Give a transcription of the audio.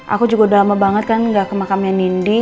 aku juga udah lama banget kan gak ke makamnya nindi